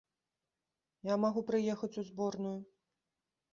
Я магу прыехаць у зборную!